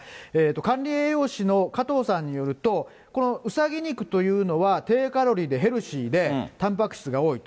管理栄養士の加藤さんによると、このうさぎ肉というのは、低カロリーでヘルシーで、たんぱく質が多いと。